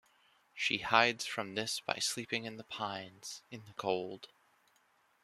She hides from this by sleeping in the pines, in the cold.